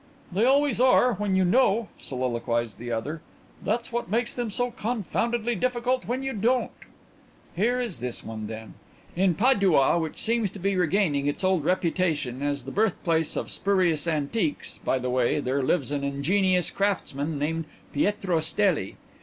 "They always are when you know," soliloquized the other. "That's what makes them so confoundedly difficult when you don't." "Here is this one then. In Padua, which seems to be regaining its old reputation as the birthplace of spurious antiques, by the way, there lives an ingenious craftsman named Pietro Stelli.